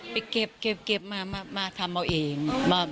ไปเก็บมาทำเอาเอง